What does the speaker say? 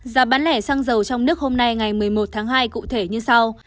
giá bán lẻ xăng dầu trong nước hôm nay ngày một mươi một tháng hai cụ thể như sau